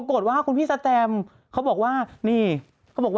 โอ๊ตสิมีความสาว